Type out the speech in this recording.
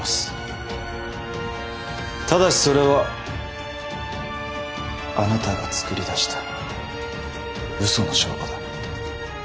ただしそれはあなたが作り出したうその証拠だ。